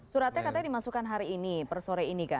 suratnya katanya dimasukkan hari ini persore ini kan